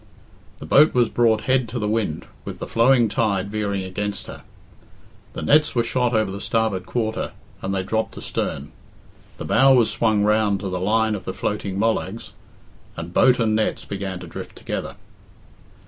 The boat was brought head to the wind, with the flowing tide veering against her; the nets were shot over the starboard quarter, and they dropped astern; the bow was swung round to the line of the floating mollags, and boat and nets began to drift together.